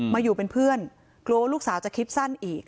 มาอยู่เป็นเพื่อนกลัวว่าลูกสาวจะคิดสั้นอีก